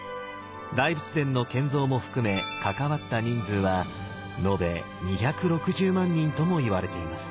大仏殿の建造も含め関わった人数はのべ２６０万人ともいわれています。